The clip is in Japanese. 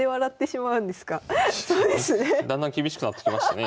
なんかだんだん厳しくなってきましたね。